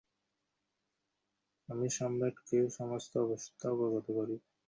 লিখেছেন মাসুম রেজা, পরিচালনা করেছেন কমল চৌধুরীএকজন এসেছিল নাটকের দৃশ্যে রিচি।